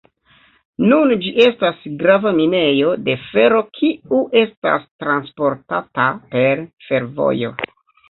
Nun ĝi estas grava minejo de fero kiu estas transportata per fervojo.